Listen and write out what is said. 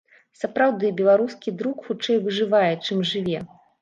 Сапраўды, беларускі друк хутчэй выжывае, чым жыве.